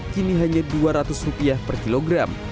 kini hanya rp dua ratus per kilogram